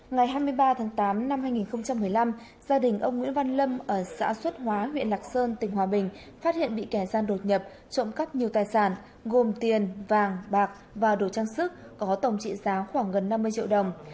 ngày hai mươi ba tháng tám năm hai nghìn một mươi năm gia đình ông nguyễn văn lâm ở xã xuất hóa huyện lạc sơn tỉnh hòa bình phát hiện bị kẻ gian đột nhập trộm cắp nhiều tài sản gồm tiền vàng bạc và đồ trang sức có tổng trị giá khoảng gần năm mươi triệu đồng